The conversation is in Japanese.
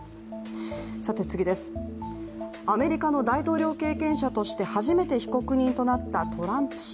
アメリカの大統領経験者として初めて被告人となったトランプ氏。